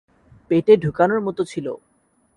পেটে ঢুকানোর মতো ছিলো।